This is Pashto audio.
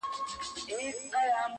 د اخيرت سختي خوارۍ دي.